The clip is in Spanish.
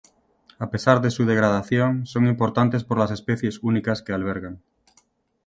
A pesar de su degradación son importantes por las especies únicas que albergan.